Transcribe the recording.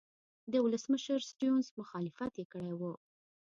د ولسمشر سټیونز مخالفت یې کړی و.